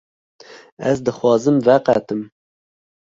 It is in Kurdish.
Ez dixwazim veqetim.